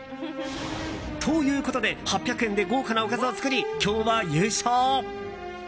ということで８００円で豪華なおかずを作り今日は優勝！